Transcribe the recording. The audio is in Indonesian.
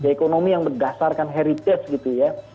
ekonomi yang berdasarkan heritage gitu ya